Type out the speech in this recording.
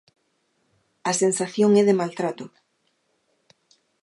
A sensación é de maltrato.